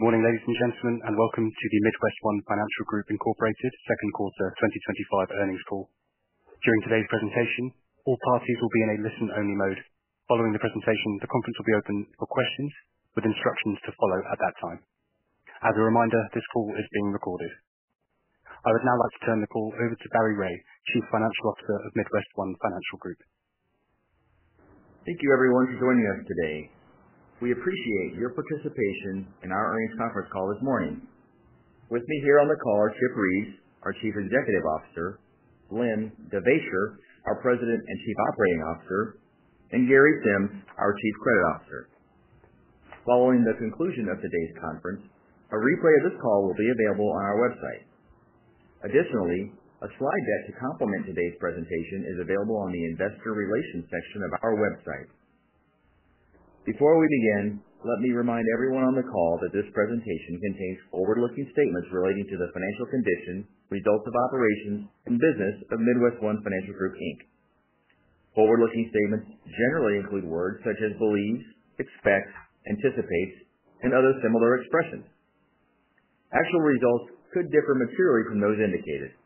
Good morning, ladies and gentlemen, and welcome to the MidWestOne Financial Group, Inc.'s Second Quarter 2025 earnings call. During today's presentation, all parties will be in a listen-only mode. Following the presentation, the conference will be open for questions with instructions to follow at that time. As a reminder, this call is being recorded. I would now like to turn the call over to Barry Ray, Chief Financial Officer of MidWestOne Financial Group. Thank you, everyone, for joining us today. We appreciate your participation in our earnings conference call this morning. With me here on the call are Chip Reeves, our Chief Executive Officer, Len Devaisher, our President and Chief Operating Officer, and Gary Sims, our Chief Credit Officer. Following the conclusion of today's conference, a replay of this call will be available on our website. Additionally, a slide deck to complement today's presentation is available on the Investor Relations section of our website. Before we begin, let me remind everyone on the call that this presentation contains forward-looking statements relating to the financial condition, results of operations, and business of MidWestOne Financial Group, Inc. Forward-looking statements generally include words such as believes, expects, anticipates, and other similar expressions. Actual results could differ materially from those indicated.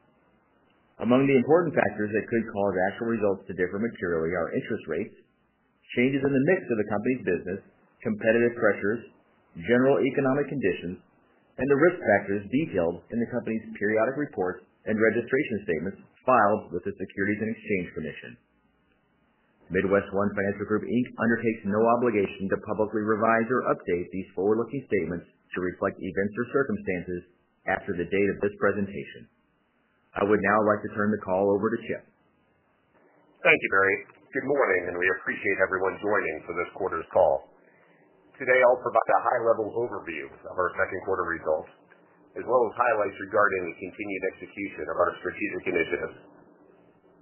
Among the important factors that could cause actual results to differ materially are interest rates, changes in the mix of the company's business, competitive pressures, general economic conditions, and the risk factors detailed in the company's periodic reports and registration statements filed with the Securities and Exchange Commission. MidWestOne Financial Group, Inc. undertakes no obligation to publicly revise or update these forward-looking statements to reflect events or circumstances after the date of this presentation. I would now like to turn the call over to Chip. Thank you, Barry. Good morning, and we appreciate everyone joining for this quarter's call. Today, I'll provide a high-level overview of our second quarter results, as well as highlights regarding the continued execution of our strategic initiatives.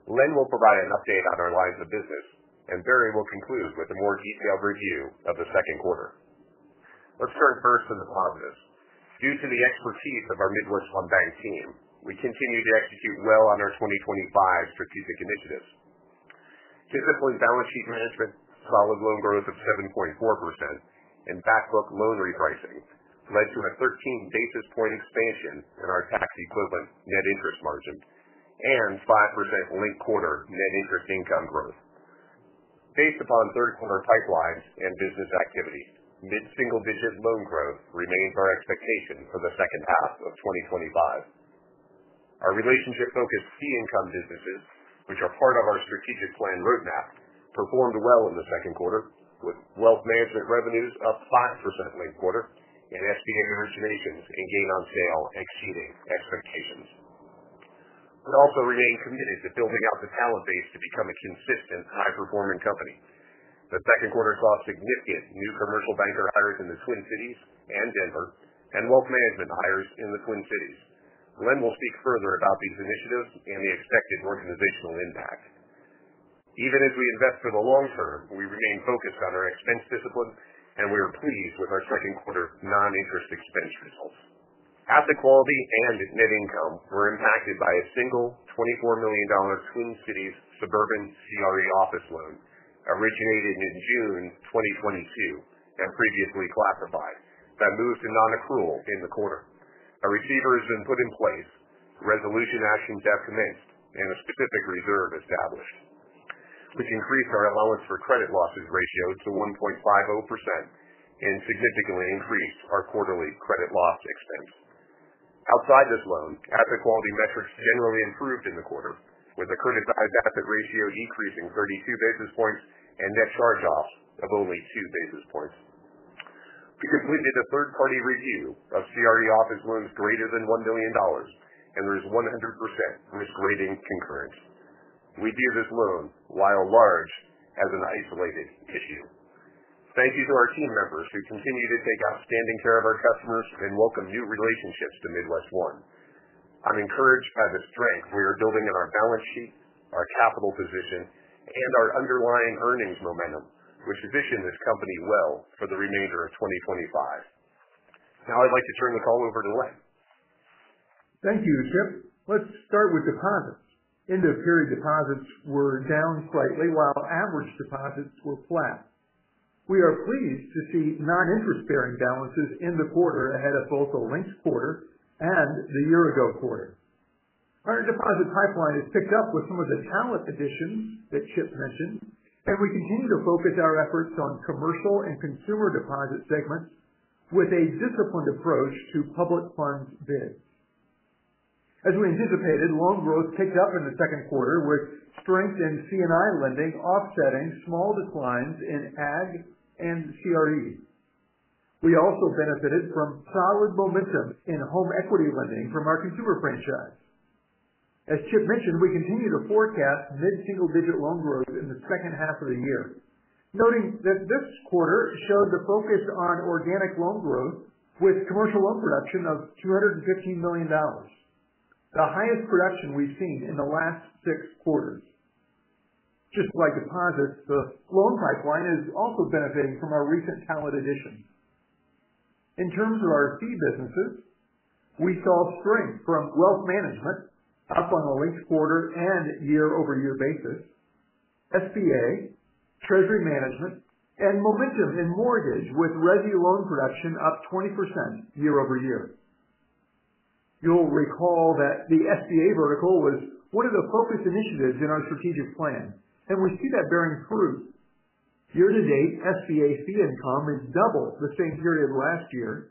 Len will provide an update on our lines of business, and Barry will conclude with a more detailed review of the second quarter. Let's turn first to the positives. Due to the expertise of our MidWestOne Bank team, we continue to execute well on our 2025 strategic initiatives. Typical in balance sheet management, solid loan growth of 7.4% and backlog loan repricing led to a 13 basis point expansion in our tax equivalent net interest margin and 5% late quarter net interest income growth. Based upon third-quarter pipelines and business activities, mid-single digit loan growth remains our expectation for the second half of 2025. Our relationship-focused key income businesses, which are part of our strategic plan roadmap, performed well in the second quarter, with wealth management revenues up 5% late quarter and SBA originations and gain-on-sale exceeding expectations. We also remain committed to building out the talent base to become a consistent, high-performing company. The second quarter brought significant new commercial banker hires in the Twin Cities and Denver and wealth management hires in the Twin Cities. Len will speak further about these initiatives and the expected organizational impact. Even as we invest for the long term, we remain focused on our expense discipline, and we are pleased with our second quarter non-interest expense results. Half the quality and net income were impacted by a single $24 million Twin Cities suburban CRE office loan originated in June 2022 and previously classified that moved to non-accrual in the quarter. A receiver has been put in place, resolution action dead finished, and a specific reserve established, which increased our allowance for credit losses ratio to 1.50% and significantly increased our quarterly credit loss expense. Outside this loan, asset quality metrics generally improved in the quarter, with the criticized asset ratio decreasing 32 basis points and net charge-offs of only 2 basis points. We completed a third-party review of CRE office loans greater than $1 billion, and there is 100% risk rating encouraged. We view this loan, while large, as an isolated issue. Thank you to our team members who continue to take outstanding care of our customers and welcome new relationships to MidWestOne. I'm encouraged by the strength we are building in our balance sheet, our capital position, and our underlying earnings momentum, which position this company well for the remainder of 2025. Now I'd like to turn the call over to Len. Thank you, Chip. Let's start with deposits. End-of-period deposits were down slightly, while average deposits were flat. We are pleased to see non-interest-bearing balances in the quarter ahead of both the latest quarter and the year-ago quarter. Our deposit pipeline has picked up with some of the talent additions that Chip mentioned, and we continue to focus our efforts on commercial and consumer deposit segments with a disciplined approach to public funds bids. As we anticipated, loan growth picked up in the second quarter with strength in C&I lending, offsetting small declines in agricultural and commercial real estate. We also benefited from solid momentum in home equity lending from our consumer franchise. As Chip mentioned, we continue to forecast mid-single-digit loan growth in the second half of the year, noting that this quarter showed the focus on organic loan growth with commercial loan production of $215 million, the highest production we've seen in the last six quarters. Just like deposits, the loan pipeline is also benefiting from our recent talent addition. In terms of our fee businesses, we saw strength from wealth management up on a late quarter and year-over-year basis, SBA, treasury management, and momentum in mortgage with ready loan production up 20% year-over-year. You'll recall that the SBA vertical was one of the focused initiatives in our strategic plan, and we see that bearing fruit. Year-to-date SBA fee income is double the same period last year,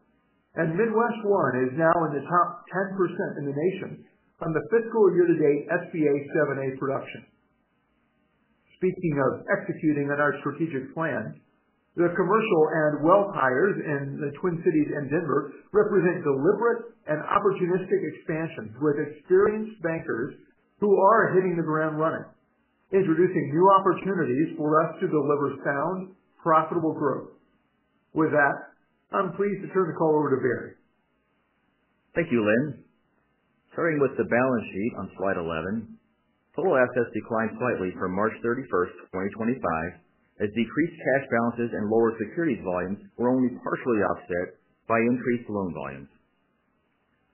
and MidWestOne is now in the top 10% in the nation on the fiscal year-to-date SBA 7(a) production. Speaking of executing on our strategic plan, the commercial and wealth hires in the Twin Cities and Denver represent deliberate and opportunistic expansions with experienced bankers who are hitting the ground running, introducing new opportunities for us to deliver sound, profitable growth. With that, I'm pleased to turn the call over to Barry. Thank you, Len. Starting with the balance sheet on slide 11, total assets declined slightly from March 31st, 2025, as decreased cash balances and lowered securities volumes were only partially offset by increased loan volumes.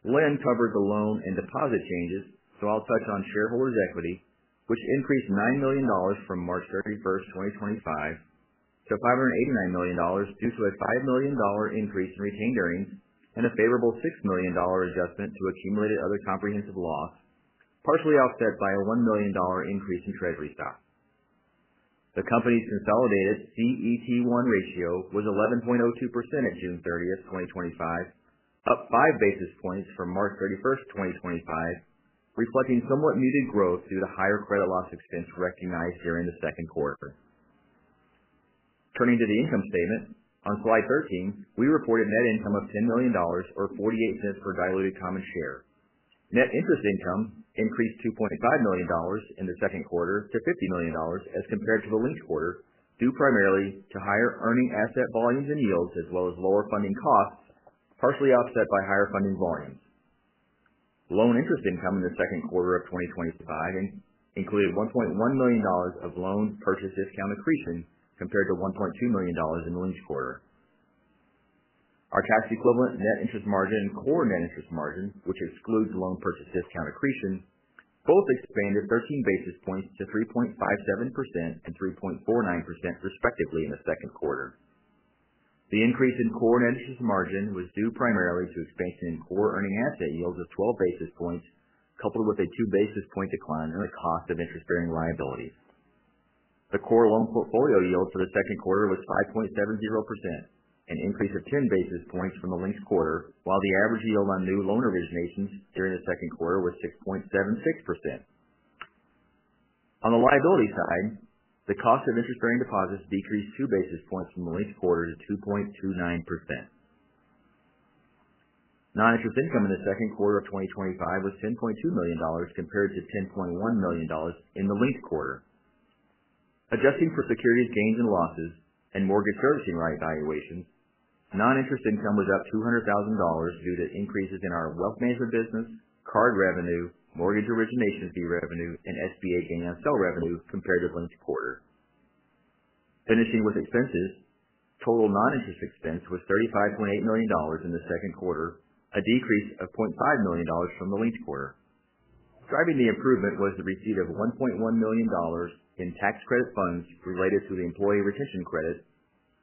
Len covered the loan and deposit changes, so I'll touch on shareholders' equity, which increased $9 million from March 31st, 2025 to $589 million due to a $5 million increase in retained earnings and a favorable $6 million adjustment to accumulated other comprehensive loss, partially offset by a $1 million increase in treasury stock. The company's consolidated CET1 ratio was 11.02% at June 30th, 2025, up 5 basis points from March 31st, 2025, reflecting somewhat muted growth due to higher credit loss expense recognized here in the second quarter. Turning to the income statement, on slide 13, we reported net income of $10 million or $0.48 per diluted common share. Net interest income increased $2.5 million in the second quarter to $50 million as compared to the latest quarter, due primarily to higher earning asset volumes and yields, as well as lower funding costs, partially offset by higher funding volumes. Loan interest income in the second quarter of 2025 included $1.1 million of loan purchase discount accretion compared to $1.2 million in the latest quarter. Our tax equivalent net interest margin and core net interest margin, which excludes loan purchase discount accretion, both expanded 13 basis points to 3.57% and 3.49% respectively in the second quarter. The increase in core net interest margin was due primarily to expansion in core earning asset yields of 12 basis points, coupled with a 2 basis point decline in the cost of interest-bearing liabilities. The core loan portfolio yield for the second quarter was 5.70%, an increase of 10 basis points from the latest quarter, while the average yield on new loan originations during the second quarter was 6.76%. On the liability side, the cost of interest-bearing deposits decreased 2 basis points from the latest quarter to 2.29%. Non-interest income in the second quarter of 2025 was $10.2 million compared to $10.1 million in the latest quarter. Adjusting for precarious gains and losses and mortgage servicing right valuations, non-interest income was up $200,000 due to increases in our wealth management business, card revenue, mortgage originations fee revenue, and SBA gain-on-sale revenue compared to the latest quarter. Finishing with expenses, total non-interest expense was $35.8 million in the second quarter, a decrease of $0.5 million from the latest quarter. Driving the improvement was the receipt of $1.1 million in tax credit funds related to the employee retention credit,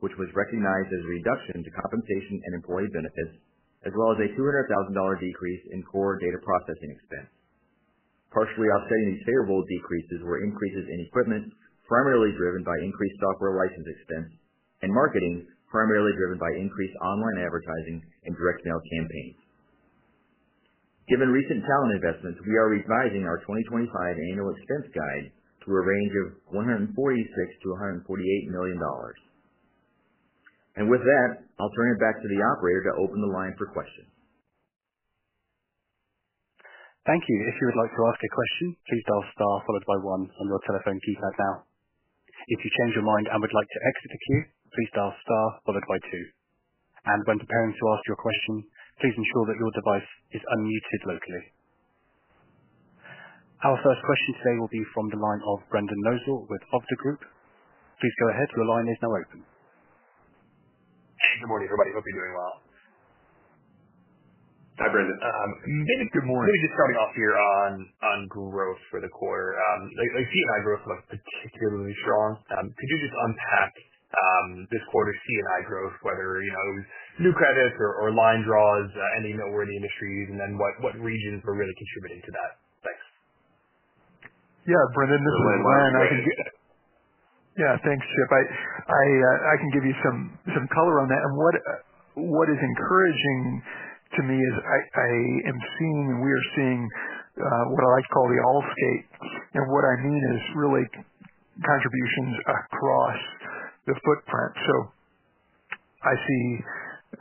which was recognized as a reduction to compensation and employee benefits, as well as a $0.3 million decrease in core data processing expense. Partially offsetting these favorable decreases were increases in equipment, primarily driven by increased software license expense, and marketing, primarily driven by increased online advertising and direct mail campaigns. Given recent talent investments, we are revising our 2025 annual expense guide to a range of $146 million-$148 million. With that, I'll turn it back to the operator to open the line for questions. Thank you. If you would like to ask a question, please dial star followed by one on your telephone keypad now. If you change your mind and would like to exit the queue, please dial star followed by two. When preparing to ask your question, please ensure that your device is unmuted locally. Our first question today will be from the line of Brendan Nosal with Hovde Group. Please go ahead. Your line is now open. Hey, good morning, everybody. Hope you're doing well. Hi, Brendan. Good morning. We were just starting off here on growth for the quarter. The C&I growth looks particularly strong. Could you just unpack this quarter's C&I growth, whether you know new credits or line draws, any noteworthy industries, and then what regions were really contributing to that? Yeah, Brendan, Len, I can get. Yeah, thanks, Chip. I can give you some color on that. What is encouraging to me is I am seeing and we are seeing what I like to call the Allstate. What I mean is really contributions across the footprint. I see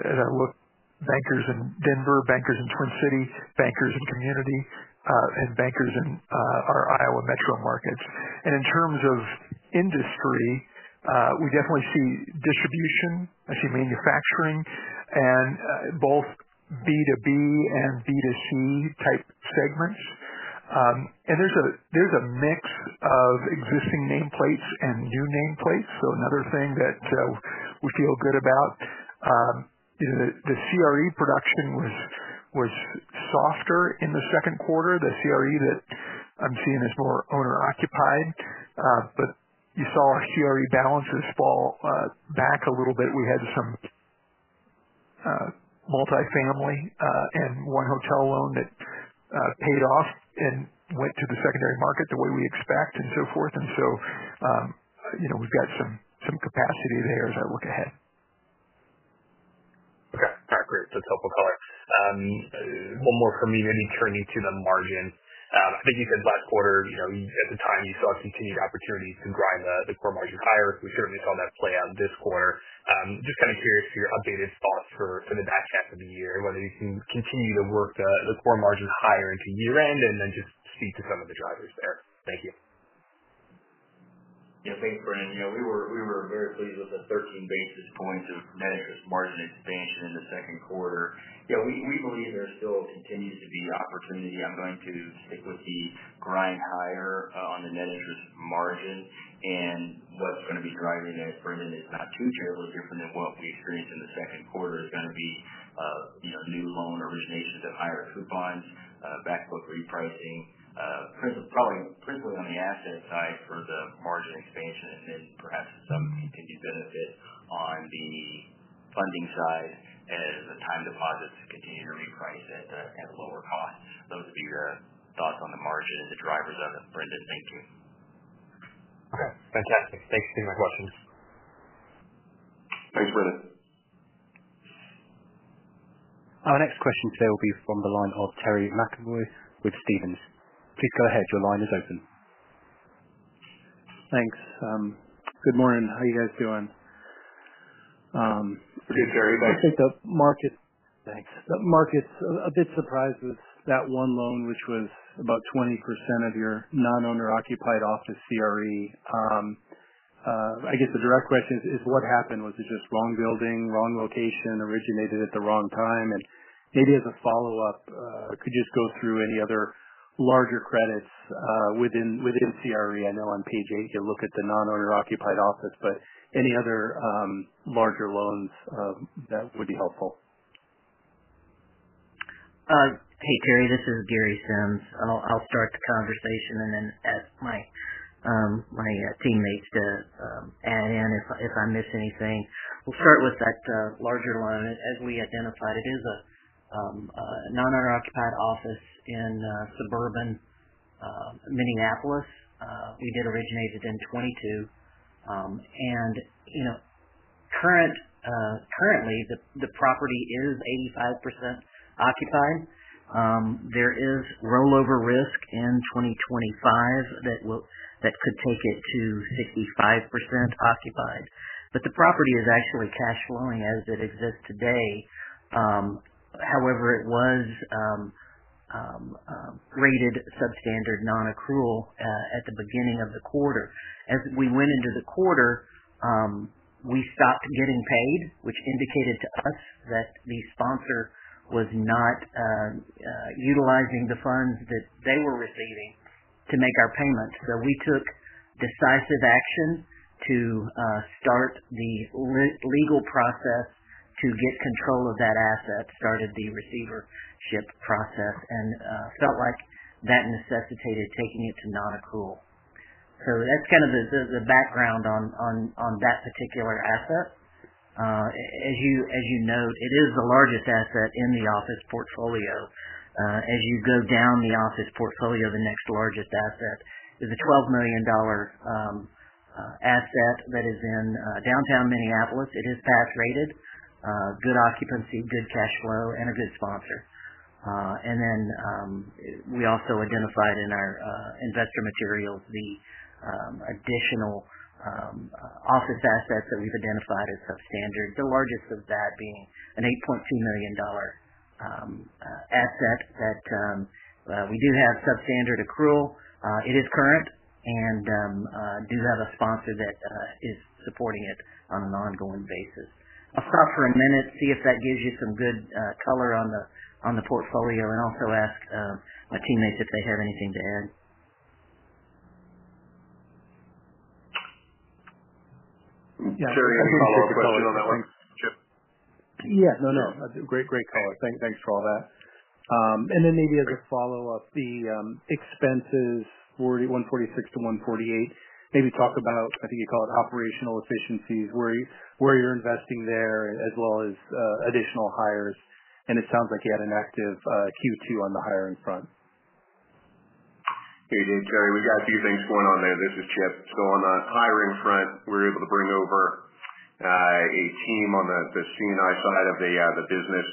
and I look at bankers in Denver, bankers in Twin Cities, bankers in community, and bankers in our Iowa metro markets. In terms of industry, we definitely see distribution, actually manufacturing, and both B2B and B2C type segments. There's a mix of existing nameplates and new nameplates. Another thing that we feel good about is the CRE production was softer in the second quarter. The CRE that I'm seeing is more owner-occupied. You saw our CRE balances fall back a little bit. We had some multifamily and one hotel loan that paid off and went to the secondary market the way we expect and so forth. You know we've got some capacity there as I look ahead. All right, great. It's helpful to call it. One more from me. When you turn to the margin, I think even last quarter, you know at the time, you saw continued opportunities to grind the core margins higher. We certainly saw that play out this quarter. I'm just kind of curious for your updated thoughts for the next half of the year, whether you see continue to work the core margins higher into year-end and then just see to some of the drivers there. Thank you. Yeah, thanks, Brendan. Yeah, we were very pleased with the 13 basis points of net interest margin expansion in the second quarter. We believe there still continues to be opportunity. I'm going to stick with the grind higher on the net interest margin. What's going to be driving it, Brendan, is not too terribly different than what we experienced in the second quarter. It's going to be a new loan origination that hires coupons, backlog repricing, principally on the asset side for the margin expansion, and perhaps some continued benefit on the funding side as the time deposits continue to reprice at a lower cost. Those would be your thoughts on the margin and the drivers of it, Brendan. Thank you. All right. Fantastic. Thanks for the reflections. Thanks, Brendan. Our next question today will be from the line of Terry McEvoy with Stephens Inc. Please go ahead. Your line is open. Thanks. Good morning. How are you guys doing? Pretty good, Terry. I think, the market's thanks. A bit surprised with that one loan, which was about 20% of your non-owner-occupied office CRE. I guess the direct question is, what happened? Was it just wrong building, wrong location, originated at the wrong time? Maybe as a follow-up, could you just go through any other larger credits within CRE? I know on page eight, you can look at the non-owner-occupied office, but any other larger loans that would be helpful. Hey, Terry. This is Gary Sims. I'll start the conversation and then ask my teammates to add in if I miss anything. We'll start with that larger loan. As we identified, it is a non-owner-occupied office in suburban Minneapolis. We did originate it in 2022. Currently, the property is 85% occupied. There is rollover risk in 2025 that could take it to 65% occupied. The property is actually cash-flowing as it exists today. However, it was graded substandard non-accrual at the beginning of the quarter. As we went into the quarter, we stopped getting paid, which indicated to us that the sponsor was not utilizing the funds that they were receiving to make our payments. We took decisive action to start the legal process to get control of that asset, started the receivership process, and felt like that necessitated taking it to non-accrual. That's kind of the background on that particular asset. As you note, it is the largest asset in the office portfolio. As you go down the office portfolio, the next largest asset is a $12 million asset that is in downtown Minneapolis. It is pass-rated, good occupancy, good cash flow, and a good sponsor. We also identified in our investor materials the additional office assets that we've identified as substandard, the largest of that being an $8.2 million asset that we do have substandard accrual. It is current and do have a sponsor that is supporting it on an ongoing basis. I'll stop for a minute, see if that gives you some good color on the portfolio, and also ask my teammates if they have anything to add. Yeah, Terry, any follow-up questions on that one? Great, great color. Thanks for all that. Maybe as a follow-up, the expenses for $146-$148 million, maybe talk about, I think you call it operational efficiencies, where you're investing there, as well as additional hires. It sounds like you had an active Q2 on the hiring front. Hey, Terry, we got a few things going on there. This is Chip. On the hiring front, we were able to bring over a team on the C&I side of the business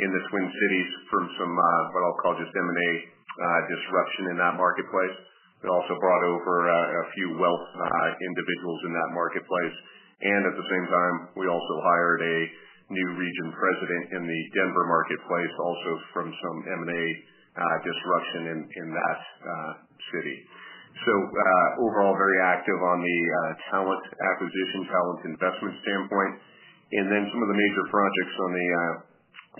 in the Twin Cities from some, what I'll call just M&A disruption in that marketplace. We also brought over a few wealth individuals in that marketplace. At the same time, we also hired a new Region President in the Denver marketplace, also from some M&A disruption in that city. Overall, very active on the talent acquisition, talent investment standpoint. Some of the major projects on the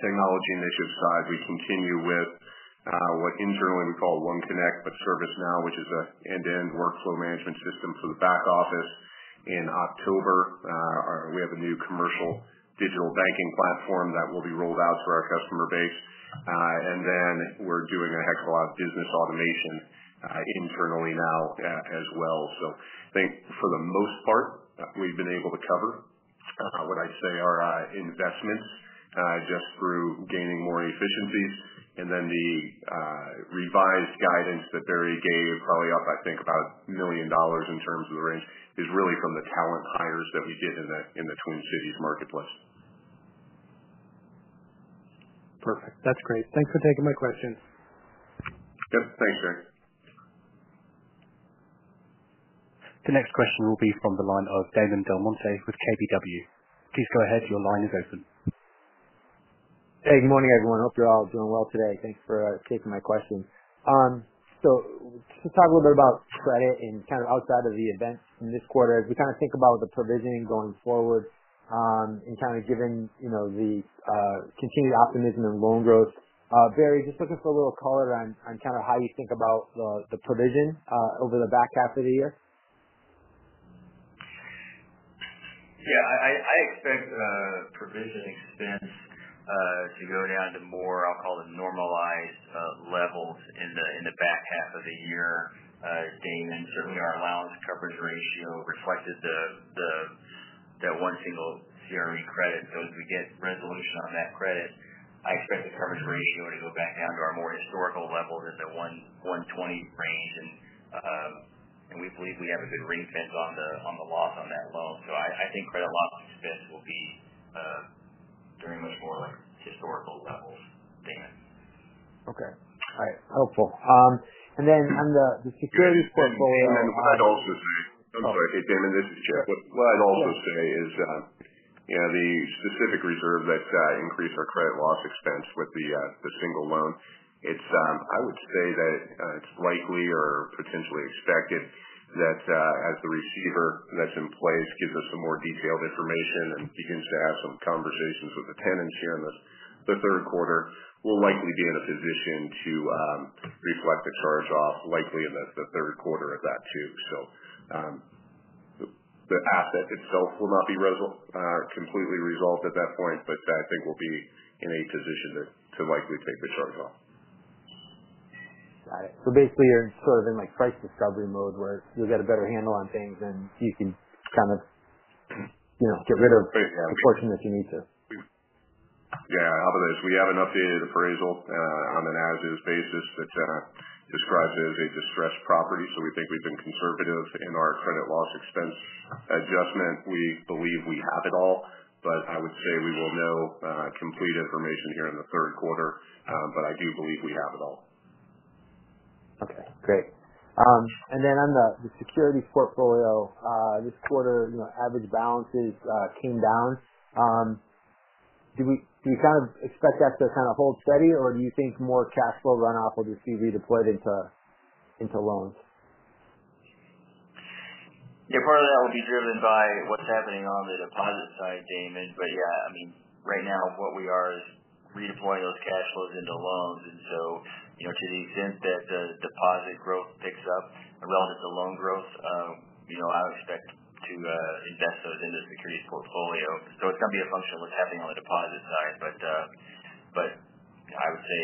technology initiative side, we continue with what internally we call OneConnect, but ServiceNow, which is an end-to-end workflow management system for the back office. In October, we have a new commercial digital banking platform that will be rolled out to our customer base. We're doing a heck of a lot of business automation internally now as well. I think for the most part, we've been able to cover what I'd say are investment just through gaining more efficiencies. The revised guidance that Barry gave is probably up, I think, about $1 million in terms of the range, is really from the talent hires that we did in the Twin Cities marketplace. Perfect. That's great. Thanks for taking my questions. Yep. Thanks, Terry. The next question will be from the line of Damon DelMonte with KBW. Please go ahead. Your line is open. Hey, good morning, everyone. Hope you're all doing well today. Thanks for taking my question. To talk a little bit about credit and kind of outside of the events in this quarter, as we kind of think about the provisioning going forward, and kind of given, you know, the continued optimism in loan growth, Barry, just looking for a little color on how you think about the provision over the back half of the year. Yeah, I expect provision expense to go down to more, I'll call it normalized levels in the back half of the year. Damon, certainly our allowance coverage ratio reflected that one single CRE credit. As we get resolution on that credit, I expect the coverage ratio to go back down to our more historical levels at the 120 range. We believe we have a good reinvent on the loss on that loan. I think credit lot like this will be very much more like historical levels. Thanks. Okay. All right. Helpful. On the securities portfolio and what I'd also say. I'm sorry. Hey, Damon, this is Chip. What I'd also say is, you know, the specific reserve that increased our credit loss expense with the single loan, I would say that it's likely or potentially expected that as the receiver that's in place gives us some more detailed information and begins to have some conversations with the tenants here in the third quarter, we'll likely be in a position to reflect the charge-off likely in the third quarter of that too. The asset itself will not be completely resolved at that point, but I think we'll be in a position to likely take the charge-off. Got it. Basically, you're sort of in price discovery mode where you'll get a better handle on things and you can kind of get rid of a portion that you need to. We haven't updated the appraisal on an as-is basis that describes it as a distressed property. We think we've been conservative in our credit loss expense adjustment. We believe we have it all, but I would say we will know complete information here in the third quarter. I do believe we have it all. Okay. Great. On the securities portfolio this quarter, average balances came down. Do you expect us to kind of hold steady, or do you think more cash flow runoff will just be redeployed into loans? Yeah, part of that will be driven by what's happening on the deposit side, Damon. Right now what we are is redeploying those cash flows into loans. To the extent that the deposit growth picks up relative to loan growth, I would expect to invest those in the securities portfolio. It's going to be a function of what's happening on the deposit side. I would say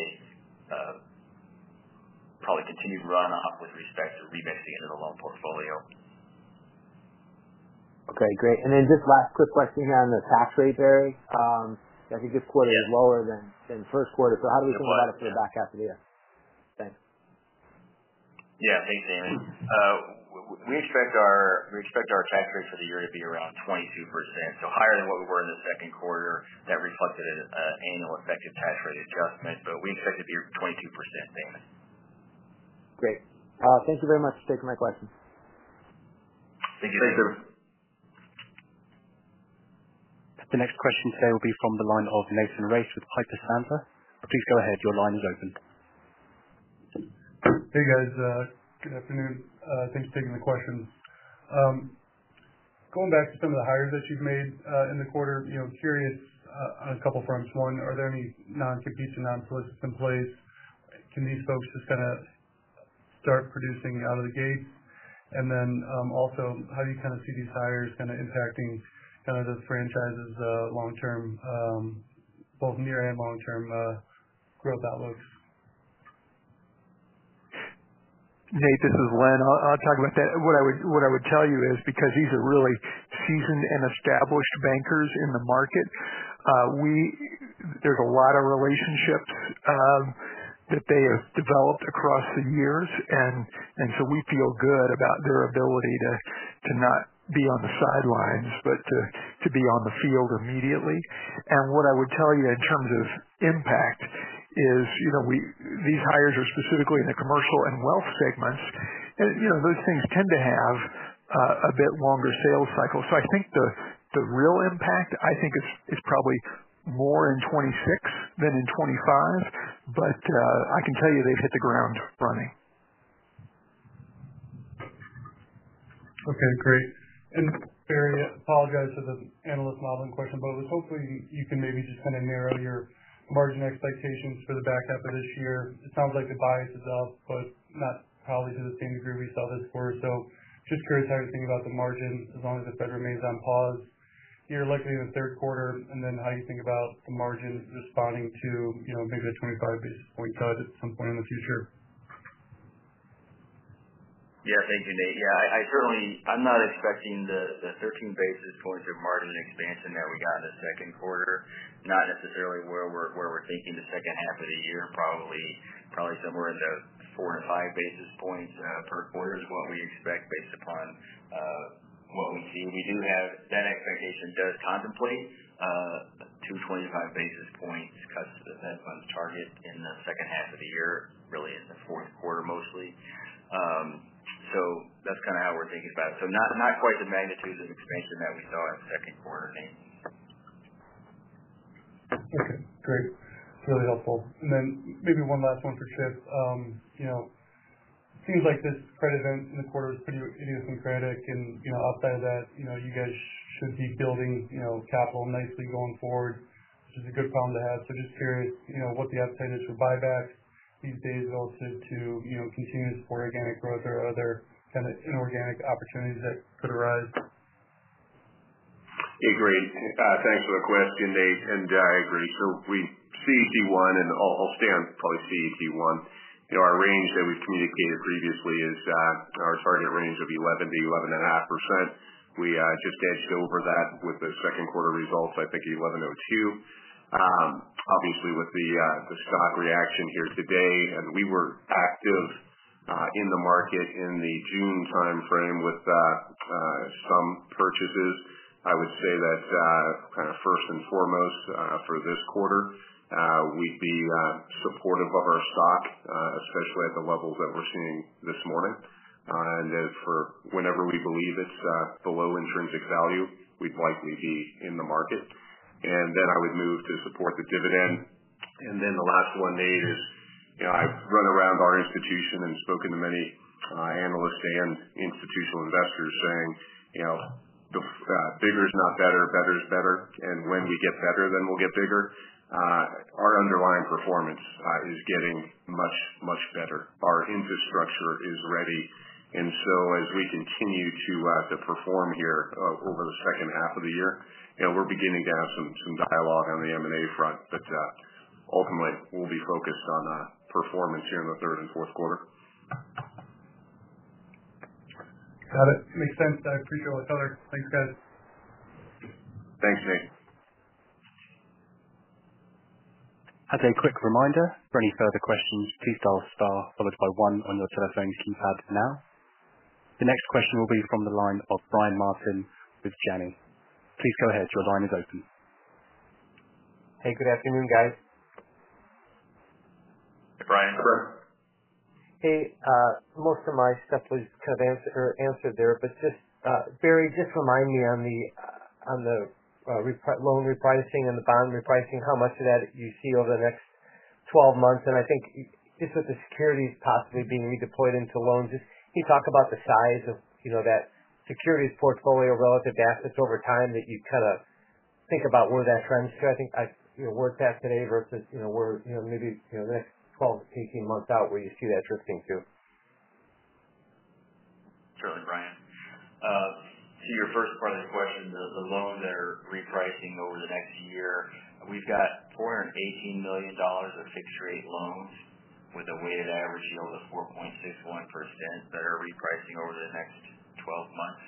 probably continued runoff with respect to reinvesting into the loan portfolio. Okay. Great. Just last quick question here on the tax rate, Barry. I think this quarter is lower than in first quarter, but how do we feel about it for the back half of the year? Thanks. Yeah. Hey, Damon. We expect our tax rates for the year to be around 22%. Higher than what we were in the second quarter, that reflected an annual effective tax rate adjustment. We expect it to be 22%, Damon. Great. Thank you very much for taking my questions. Thank you. The next question today will be from the line of Nathan Race with Piper Sandler. Please go ahead. Your line is open. Hey, guys. Good afternoon. Thanks for taking the questions. Going back to some of the hires that you've made in the quarter, curious on a couple of fronts. One, are there any non-traditional, non-solicitant employees? Can these folks just kind of start producing out of the gates? Also, how do you see these hires impacting those franchises long-term, both near and long-term growth outlooks? Nathan, this is Len. I'll talk about that. What I would tell you is because these are really seasoned and established bankers in the market, there's a lot of relationship that they have developed across the years. We feel good about their ability to not be on the sidelines, but to be on the field immediately. What I would tell you in terms of impact is, you know, these hires are specifically in the commercial and wealth segments, and those things tend to have a bit longer sales cycles. I think the real impact, I think it's probably more in 2026 than in 2025. I can tell you they've hit the ground running. Okay. Great. Barry, I apologize for the analyst modeling question, but I was hoping you can maybe just kind of narrow your margin expectations for the back half of this year. It sounds like the bias is up, but not probably to the same degree we saw this quarter. Just curious how you think about the margin as long as the Fed Remains on pause. You're likely in the third quarter. How do you think about the margin responding to, you know, maybe a 25 basis point cut at some point in the future. Thank you, Nate. I'm not expecting the 13 basis points of margin expansion that we got in the second quarter, not necessarily where we're thinking the second half of the year. Probably somewhere in the four to five basis points per quarter is what we expect based upon what we see. We do have that expectation does contemplate two 25 basis points cuts to the Fed funds target in the second half of the year, really in the fourth quarter mostly. That's kind of how we're thinking about it. Not quite the magnitude of expansion that we saw in the second quarter, Nathan. Okay. Great. That's really helpful. Maybe one last one for Chip. It seems like this credit event in the quarter has been really idiosyncratic. Outside of that, you guys said deep building of capital nicely going forward. This is a good problem to have. Just curious what the appetite is to buy back these days relative to continuous organic growth or other kind of inorganic opportunities that could arise. Great, thanks for the question, Nate. I agree. We see CET1, and I'll stay on probably seeing CET1. Our range that we've communicated previously is our target range of 11% to 11.5%. We just edged over that with the second quarter results. I think 11.02. Obviously, with the stock reaction here today, and we were active in the market in the June timeframe with some purchases. I would say that kind of first and foremost for this quarter, we'd be supportive of our stock, especially at the levels that we're seeing this morning. As for whenever we believe it's below intrinsic value, we'd like to be in the market. I would move to support the dividend. The last one, Nate, is I've run around our institution and spoken to many analysts and institutional investors saying, the bigger is not better, better is better. When you get better, then we'll get bigger. Our underlying performance is getting much, much better. Our infrastructure is ready. As we continue to perform here over the second half of the year, we're beginning to have some dialogue on the M&A front. Ultimately, we'll be focused on performance here in the third and fourth quarter. Got it. Makes sense. I appreciate all the color. Thanks, guys. Thanks, Nate. As a quick reminder, for any further questions, please dial star followed by one on your telephone keypad now. The next question will be from the line of Brian Martin with Janney. Please go ahead, your line is open. Hey, good afternoon, guys. Hey, Brian. Most of my stuff was kind of answered there. Barry, just remind me on the loan repricing and the bond repricing, how much of that you see over the next 12 months? I think with the securities possibly being redeployed into loans, can you talk about the size of that securities portfolio relative to assets over time that you kind of think about where that trends to? I think I work back to neighbor because, you know, maybe you know the next 12-18 months out where you see that drifting through. Sure, Brian. To your first part of your question, the loan they're repricing over the next year, we've got $418 million of fixed-rate loans with a weighted average yield of 4.61% that are repricing over the next 12 months.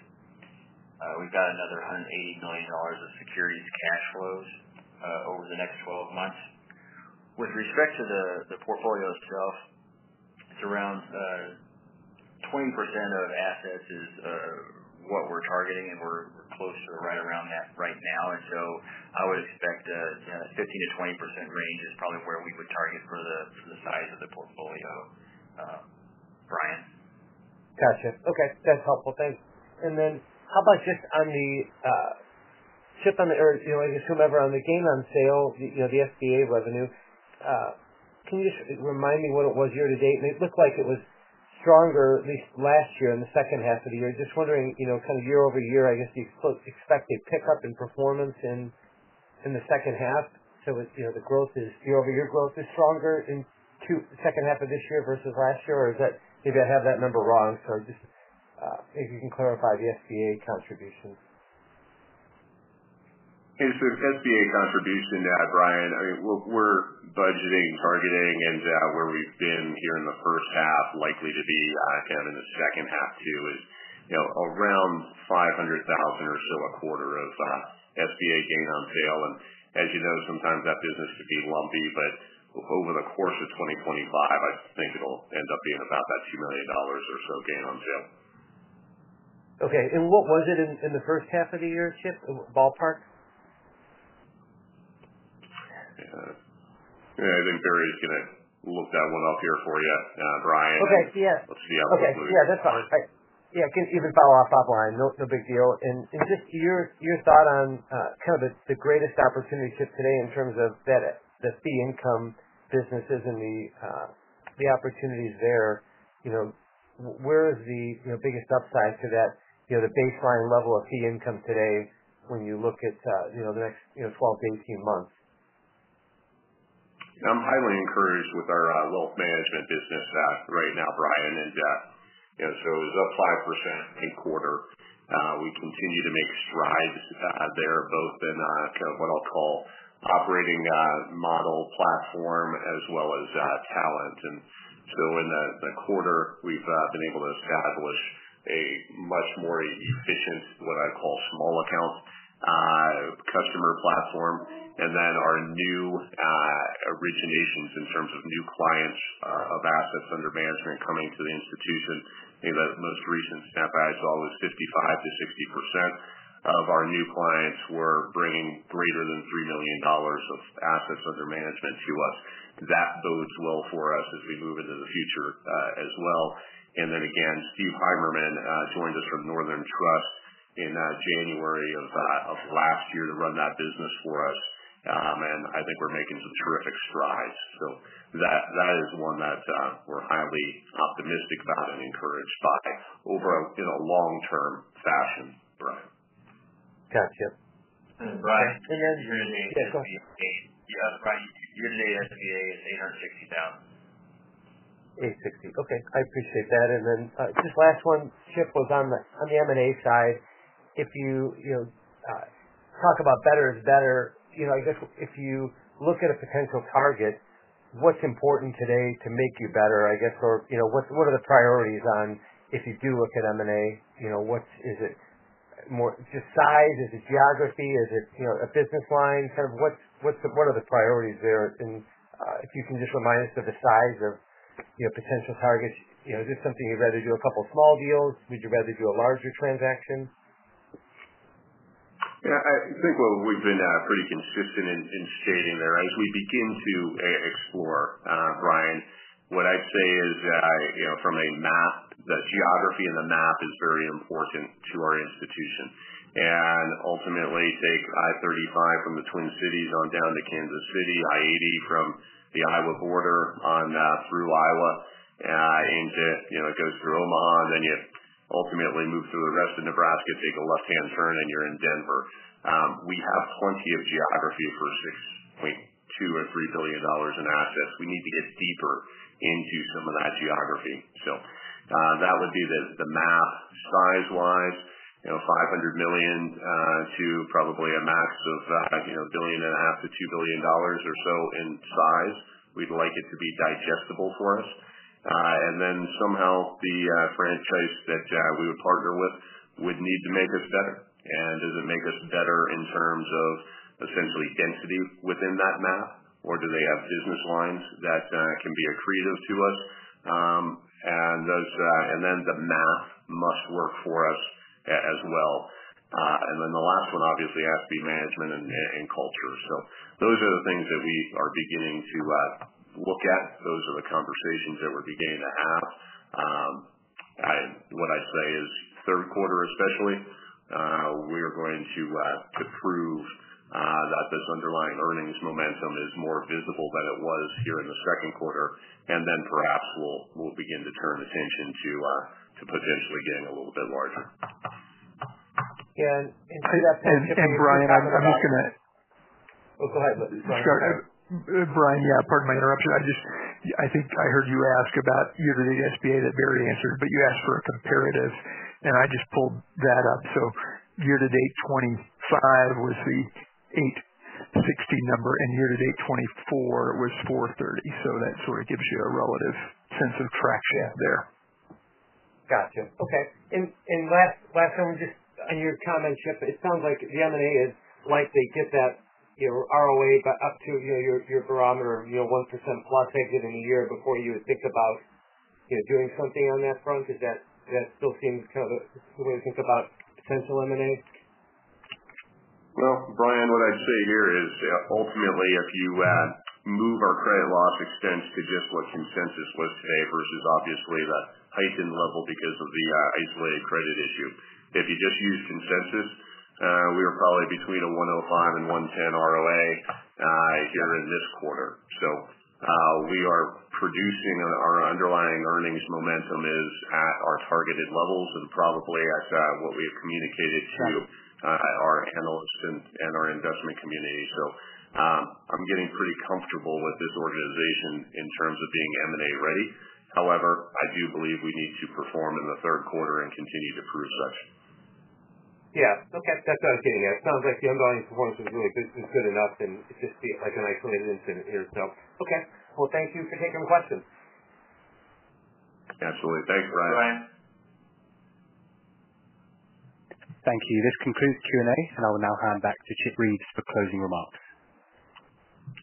We've got another $180 million of securities cash flows over the next 12 months. With respect to the portfolio itself, it's around 20% of assets is what we're targeting, and we're close to right around that right now. I would expect a 15%-20% range is probably where we would target for the size of the portfolio, Brian. Gotcha. Okay. That's helpful. Thanks. How about just on the shift on the, you know, I guess whomever on the gain-on-sale, you know, the SBA revenue, can you just remind me what it was year to date? It looked like it was stronger at least last year in the second half of the year. Just wondering, from year-over-year, I guess the expected pickup in performance in the second half. It's, you know, the growth is year-over-year growth is stronger in the second half of this year versus last year, or is that, maybe I have that number wrong? If you can clarify the SBA contributions. Yeah, so the SBA contribution to that, Brian, I mean, we're budgeting and targeting and where we've been here in the first half, likely to be that kind of in the second half too, is around $500,000 or so a quarter of SBA gain-on-sale. As you know, sometimes that business could be lumpy, but over the course of 2025, I think it'll end up being about that $2 million or so gain-on-sale. Okay. What was it in the first half of the year, Chip, ballpark? Yeah, I think Barry Ray's going to look that one up here for you, Brian. Okay. Yeah, that's fine. I can even follow up offline. No big deal. Just your thought on the greatest opportunity today in terms of the fee income businesses and the opportunities there. Where is the biggest upside to that, the big flying level of fee income today when you look at the next 12, 18 months? I'm highly encouraged with our wealth management business right now, Brian, and Jeff. It was up 5% in the quarter. We continue to make strides there, both in what I'll call operating model platform as well as talent. In the quarter, we've been able to establish a much more efficient, what I call small accounts customer platform. Our new originations in terms of new clients of assets under management coming to the institution, I think the most recent snapback is always 55%-60% of our new clients were bringing greater than $3 million of assets under management to us. That bodes well for us as we move into the future as well. Steve Heimermann, joined us from Northern Trust in January of last year to run that business for us. I think we're making some terrific strides. That is one that we're highly optimistic about and encouraged by over in a long-term fashion, Brian. Gotcha. And Barry, your new SBA is $860,000. $860,000. Okay. I appreciate that. Just last one, Chip, was on the M&A side. If you talk about better is better, I guess if you look at a potential target, what's important today to make you better, or what are the priorities on if you do look at M&A? Is it more just size? Is it geography? Is it a business line? What are the priorities there? If you can just remind us of the size of potential targets, is this something you'd rather do a couple of small deals or would you rather do a larger transaction? I think what we've been pretty consistent in stating there, right? We begin to explore, Brian. What I'd say is that, you know, from a map, the geography and the map is very important to our institution. Ultimately, take I-35 from the Twin Cities on down to Kansas City, I-80 from the Iowa border on through Iowa, and you know, it goes through Omaha. You ultimately move to the rest of Nebraska, take a left-hand turn, and you're in Denver. We have plenty of geography for $6.2-$6.3 billion in assets. We need to get deeper into some of that geography. That would be the math size-wise, you know, $500 million to probably a max of, you know, $1.5 billion -$2 billion or so in size. We'd like it to be digestible for us, and then somehow the franchise that we would partner with would need to make us better. Does it make us better in terms of essentially density within that map, or do they have business lines that can be accretive to us? The math must work for us as well, and the last one obviously has to be management and culture. Those are the things that we are beginning to look at. Those are the conversations that we're beginning to have. What I'd say is third quarter especially, we are going to prove that this underlying earnings momentum is more visible than it was here in the second quarter. Perhaps we'll begin to turn attention to potentially getting a little bit larger. Yeah. Brian, I'm just going to—oh, go ahead, Len. Sorry. Sorry. Brian, pardon my interruption. I just, I think I heard you ask about year-to-date SBA that Barry answered, but you asked for a comparative, and I just pulled that up. Year-to-date 2025 was the $860 number, and year-to-date 2024 was $430. That sort of gives you a relative sense of traction there. Gotcha. Okay. Last time, just on your comment, Chip, it sounds like the M&A is likely to get that ROA about up to your barometer of 1% plus exit in a year before you think about doing something on that front. Is that still kind of when you think about potential M&A? Brian, what I'd say here is, yeah, ultimately, if you add move our credit loss expense to just what's consensus, let's say, versus obviously the heightened level because of the isolated credit issue, if you just use consensus, we were probably between a 1.05% and 1.10% ROA here in this quarter. We are producing, our underlying earnings momentum is at our targeted levels and probably at what we've communicated to our analysts and our investment community. I'm getting pretty comfortable with this organization in terms of being M&A ready. However, I do believe we need to perform in the third quarter and continue to prove that. Okay. That's what I was getting at. It sounds like the underlying performance is really good enough and it's just like an isolated incident here. Thank you for taking the questions. Absolutely. Thanks, Brian. Thank you. This concludes Q&A, and I will now hand back to Chip Reeves for closing remarks.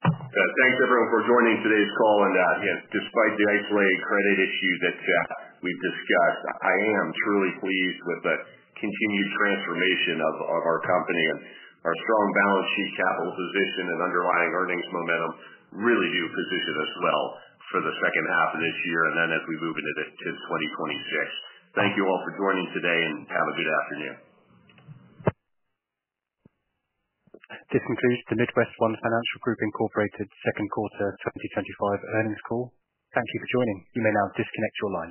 Thanks, everyone, for joining today's call. Despite the isolated credit issue that we've discussed, I am truly pleased with the continued transformation of our company. Our strong balance sheet capitalization and underlying earnings momentum really do position us well for the second half of this year and as we move into 2026. Thank you all for joining today and have a good afternoon. This concludes the MidWestOne Financial Group, Inc. Second Quarter 2025 earnings call. Thank you for joining. You may now disconnect your line.